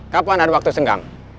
kapan ada waktu senggang